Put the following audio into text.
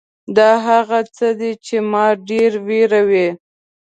دا هغه څه دي چې ما ډېر وېروي .